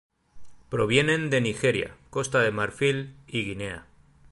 Provienen de Nigeria, Costa de Marfil, y Guinea.